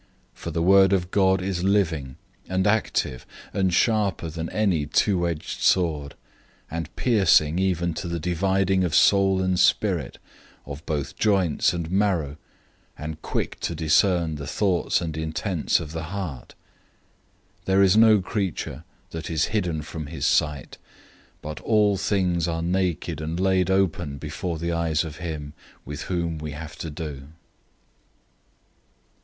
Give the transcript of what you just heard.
004:012 For the word of God is living, and active, and sharper than any two edged sword, and piercing even to the dividing of soul and spirit, of both joints and marrow, and is able to discern the thoughts and intentions of the heart. 004:013 There is no creature that is hidden from his sight, but all things are naked and laid open before the eyes of him with whom we have to do.